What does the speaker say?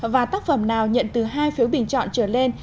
và tác phẩm nào nhận từ hai phiếu bình chọn trở lên